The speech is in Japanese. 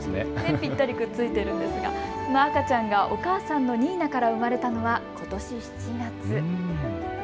ぴったりくっついてるんですが、赤ちゃんがお母さんのニーナから生まれたのはことし７月。